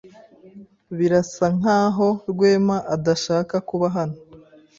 Birasa nkaho Rwema adashaka kuba hano.